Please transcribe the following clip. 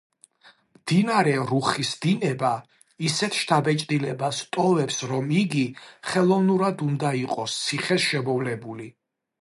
მდინარე რუხის დინება ისეთ შთაბეჭდილებას ტოვებს, რომ იგი ხელოვნურად უნდა იყოს ციხეს შემოვლებული.